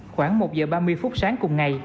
khoảng một giờ ba mươi phút sáng cùng ngày